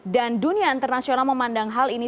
dan dunia internasional memandang hal ini